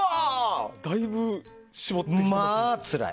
だいぶ絞ってきてますね。